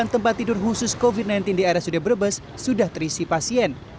satu ratus lima puluh sembilan tempat tidur khusus covid sembilan belas di area sudaberebes sudah terisi pasien